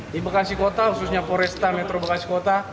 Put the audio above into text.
di bekasi kota khususnya poresta metro bekasi kota